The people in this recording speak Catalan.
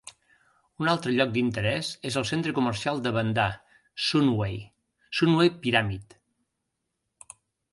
Un altre lloc d'interès és el centre comercial de Bandar Sunway, Sunway Pyramid.